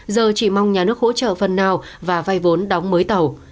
giờ chỉ mong nhà nước hỗ trợ phần nào và vay vốn đóng mới tàu